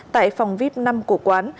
tại phòng vip năm của quán